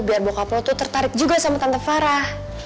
biar bokap lo tuh tertarik juga sama tante farah